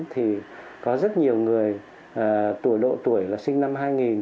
thì có rất nhiều người tuổi độ tuổi là sinh năm hai nghìn